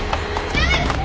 やめて！